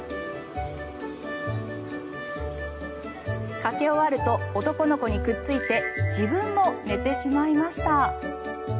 かけ終わると男の子にくっついて自分も寝てしまいました。